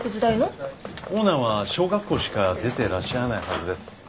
オーナーは小学校しか出てらっしゃらないはずです。